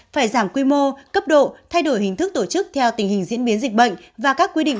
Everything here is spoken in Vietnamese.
phải giảm quy mô cấp độ thay đổi hình thức tổ chức theo tình hình diễn biến dịch bệnh và các quy định